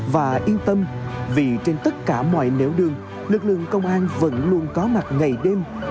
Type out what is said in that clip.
và yên tâm vì trên tất cả mọi nẻo đường lực lượng công an vẫn luôn có mặt ngày đêm